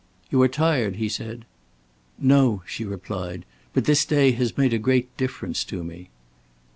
"You are tired?" he said. "No," she replied. "But this day has made a great difference to me."